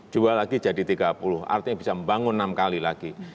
jual lagi jadi tiga puluh artinya bisa membangun enam kali lagi